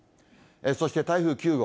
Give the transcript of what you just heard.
そして、台風９号。